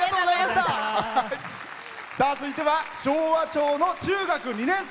続いては昭和町の中学２年生。